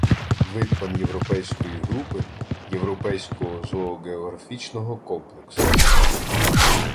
Вид пан’європейської групи, європейського зооґеографічного комплексу.